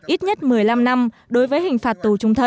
ít nhất một mươi năm năm đối với hình phạt tù trung thân